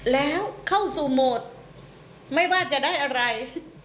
แล้วเข้าสู่โหมดไม่ว่าจะได้อะไร